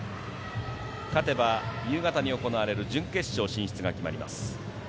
勝てば夕方に行われる準決勝進出が決まります。